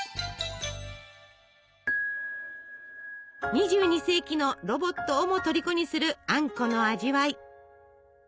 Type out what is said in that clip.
２２世紀のロボットをもとりこにするあんこの味わい。